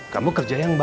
kamu kerja yang baik ya